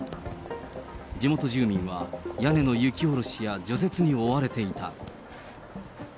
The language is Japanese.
地元住民は、屋根の雪下ろしや除雪に追われていた。